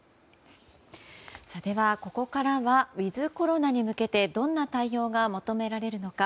ではここからはウィズコロナに向けてどんな対応が求められるのか。